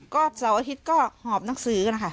ก็เสาร์อาทิตย์ก็หอบหนังสือนะคะ